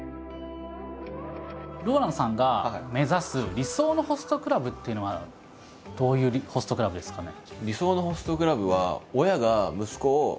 ＲＯＬＡＮＤさんが目指す理想のホストクラブっていうのはどういうホストクラブですかね？